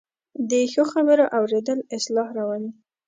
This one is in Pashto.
د ښو خبرو اورېدل اصلاح راولي